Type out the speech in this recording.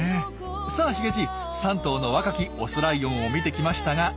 さあヒゲじい３頭の若きオスライオンを見てきましたがどうでしたか？